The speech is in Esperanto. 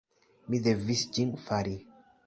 Mi devis ĝin fari.